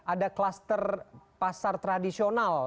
ada kluster pasar tradisional